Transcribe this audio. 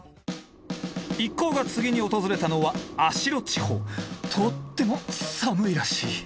一行が次に訪れたのはとっても寒いらしい。